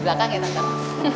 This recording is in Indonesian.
di belakang ya temen temen